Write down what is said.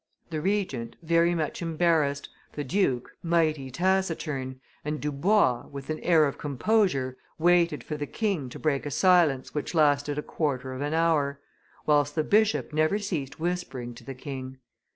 The Regent, very much embarrassed, the duke, mighty taciturn, and Dubois, with an air of composure, waited for the king to break a silence which lasted a quarter of an hour, whilst the bishop never ceased whispering to the king.